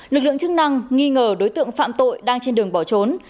lực lượng chức năng nghi ngờ đối tượng phạm tội đang trên đường bỏ trốn